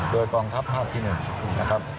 โดยกองทัพภาคที่๑นะครับ